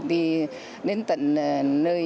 đi đến tận nơi